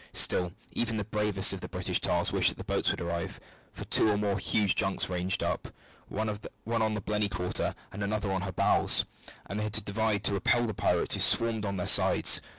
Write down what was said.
Still, even the bravest of the English tars wished that the boats would arrive, for two more huge junks ranged up, one on the Blenny quarter and another on her bows, and they had to divide to repel the pirates who swarmed on their sides.